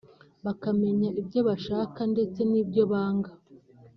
bakamenya ibyo bashaka ndetse n’ibyo banga